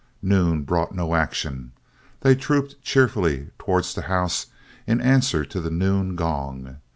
Noon brought no action. They trooped cheerfully towards the house in answer to the noon gong.